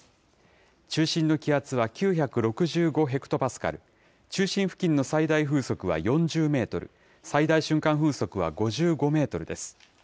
中心の気圧は９６５ヘクトパスカル、中心付近の最大風速は４０メートル、最大瞬間風速は５５メートルです。